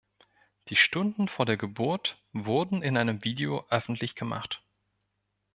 Die Stunden vor der Geburt wurden in einem Video öffentlich gemacht.